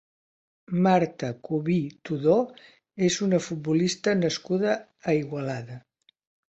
Marta Cubí Tudó és una futbolista nascuda a Igualada.